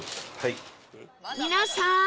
皆さーん！